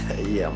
atuh behind ow